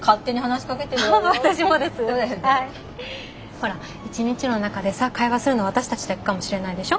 ほら一日の中でさ会話するの私たちだけかもしれないでしょ。